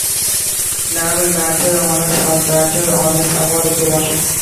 Naval battle honours are battle honours awarded to warships.